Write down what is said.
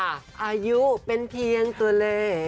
อายุเป็นเพียงตัวเลข